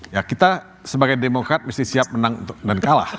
ya kita sebagai demokrat mesti siap menang dan kalah